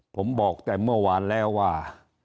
ผมบอกแต่เมื่อวานแล้วว่า